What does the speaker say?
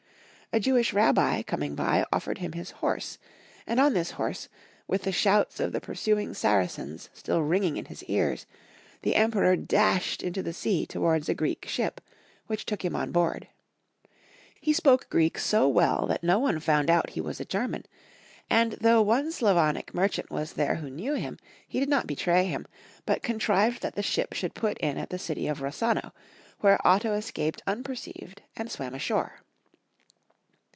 A Jewish rabbi, coming by offered him his horse, and on this horse, with the shouts of the pursuing Saracens still ringing in his ears, the Em peror dashed into the sea towards a Greek ship, which took him on board. He spoke Greek so 98 Young Folks^ History of Q ermany. well that no one found out he was a German ; and though one Slavonic merchant was there who knew him, he did not betray him, but contrived that the ship should put in at the city of Rossano, where Otto escaped unperceived, and swam ashore.